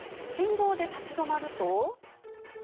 信号で立ち止まると。